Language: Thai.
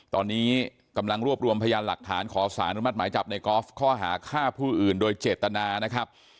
ตอนนี้กำลังรวบรวมพยานหลักฐานขอสารอนุมัติหมายจับในกอล์ฟข้อหาฆ่าผู้อื่นโดยเจตนานะครับ